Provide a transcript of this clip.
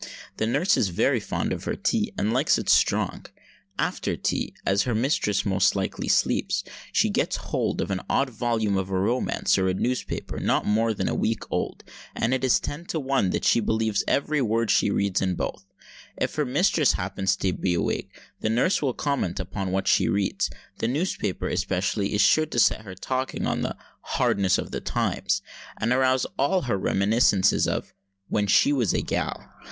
The nurse is very fond of her tea, and likes it strong. After tea, as her mistress most likely sleeps, she gets hold of an odd volume of a romance, or a newspaper not more than a week old; and it is ten to one that she believes every word she reads in both. If her mistress happen to be awake, the nurse will comment upon what she reads. The newspaper, especially, is sure to set her talking on the "hardness of the times," and arouse all her reminiscences of "when she was a gal."